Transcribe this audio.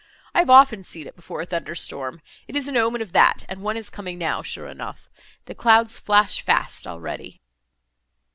I have often seen it before a thunder storm, it is an omen of that, and one is coming now, sure enough. The clouds flash fast already."